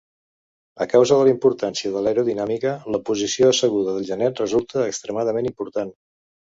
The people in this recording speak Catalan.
A causa de la importància de l'aerodinàmica, la posició asseguda del genet resulta extremadament important.